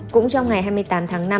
cũng trong ngày hai mươi tám tháng năm